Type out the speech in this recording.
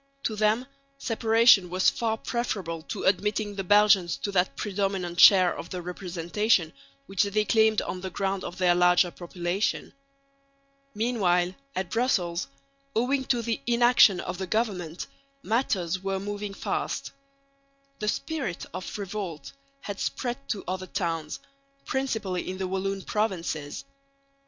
To them separation was far preferable to admitting the Belgians to that predominant share of the representation which they claimed on the ground of their larger population. Meanwhile at Brussels, owing to the inaction of the government, matters were moving fast. The spirit of revolt had spread to other towns, principally in the Walloon provinces.